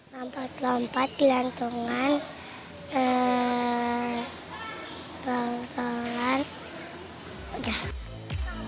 lompat lompat lantungan lantungan udah